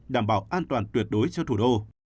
đảm bảo an toàn tuyệt đối cho thủ đô